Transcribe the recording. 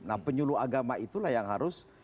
nah penyuluh agama itulah yang harus